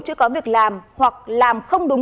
chưa có việc làm hoặc làm không đúng